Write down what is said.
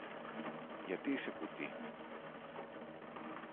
Γιατί είσαι κουτή;